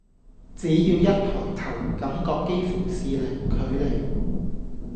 只要一抬頭，感覺幾乎是零距離